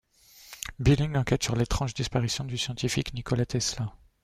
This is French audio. Billing enquête sur l'étrange disparition du scientifique Nikola Tesla.